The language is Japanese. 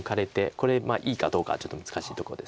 これいいかどうかはちょっと難しいとこです。